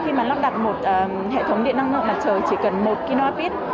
từ khi mà mình lắp đặt một hệ thống điện năng lượng mặt trời chỉ cần một kinoavit